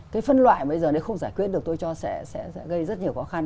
cái phân loại bây giờ nếu không giải quyết được tôi cho sẽ gây rất nhiều khó khăn